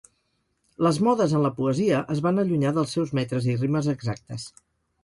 Les modes en la poesia es van allunyar dels seus metres i rimes exactes.